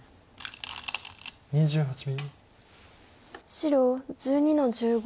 白１２の十五。